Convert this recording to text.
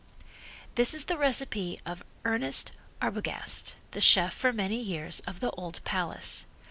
This is the recipe of Ernest Arbogast, the chef for many years of the old Palace.